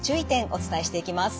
お伝えしていきます。